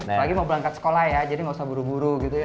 apalagi mau berangkat sekolah ya jadi nggak usah buru buru gitu ya